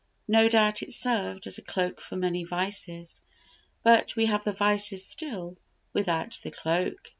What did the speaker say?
No doubt it served as a cloak for many vices, but we have the vices still, without the cloak!